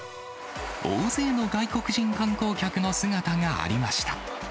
大勢の外国人観光客の姿がありました。